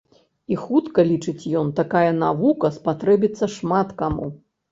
І хутка, лічыць ён, такая навука спатрэбіцца шмат каму.